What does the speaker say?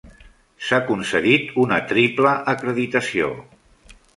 S'ha concedit una triple acreditació.